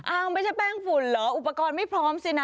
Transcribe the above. ไม่ใช่แป้งฝุ่นเหรออุปกรณ์ไม่พร้อมสินะ